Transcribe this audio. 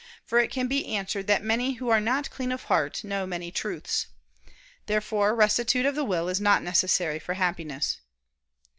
For it can be answered that many who are not clean of heart, know many truths." Therefore rectitude of the will is not necessary for Happiness.